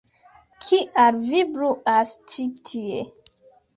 Kial vi bruas ĉi tie?!